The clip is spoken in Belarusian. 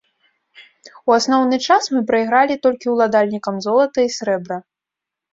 У асноўны час мы прайгралі толькі ўладальнікам золата і срэбра!